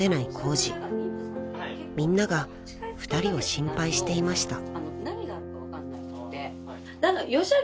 ［みんなが２人を心配していました］